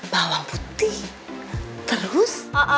bawang putih terus